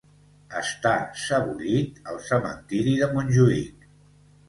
Està sebollit al Cementiri de Montjuïc.